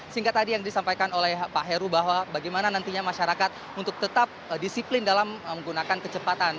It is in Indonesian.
sehingga tadi yang disampaikan oleh pak heru bahwa bagaimana nantinya masyarakat untuk tetap disiplin dalam menggunakan kecepatan